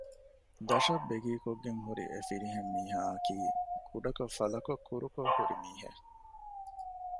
ދަށަށް ބެގީކޮށްގެން ހުރި އެފިރިހެން މީހާއަކީ ކުޑަކޮށް ފަލަކޮށް ކުރުކޮށް ހުރި މީހެއް